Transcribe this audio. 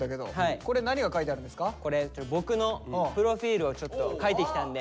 これ僕のプロフィールをちょっと書いてきたんで。